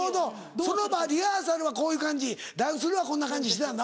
その場はリハーサルはこういう感じランスルーはこんな感じしてたんだ。